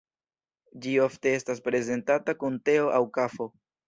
Ĝi ofte estas prezentata kun teo aŭ kafo.